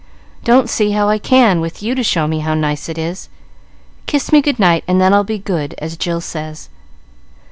"Don't see how I can, with you to show me how nice it is. Kiss me good night, and then 'I'll be good,' as Jill says."